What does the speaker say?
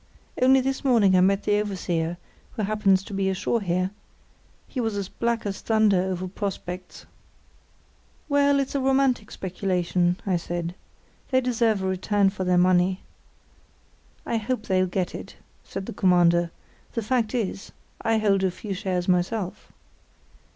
Only this morning I met the overseer, who happens to be ashore here. He was as black as thunder over prospects." "Well, it's a romantic speculation," I said. "They deserve a return for their money." "I hope they'll get it," said the Commander. "The fact is, I hold a few shares myself."